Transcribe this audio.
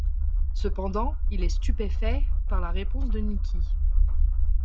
Cependant, il est stupéfait par la réponse de Niki.